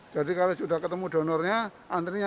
jadi kalau sudah ketemu donornya antrinya